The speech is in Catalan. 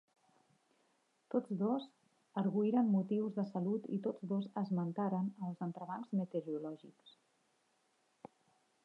Tots dos arguïren motius de salut i tots dos esmentaren els entrebancs meteorològics.